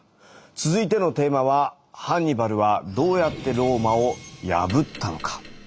続いてのテーマはハンニバルはどうやってローマを破ったのか？